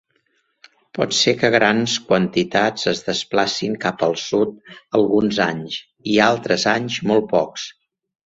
Pot ser que grans quantitats es desplacin cap al sud alguns anys; i altres anys, molt pocs.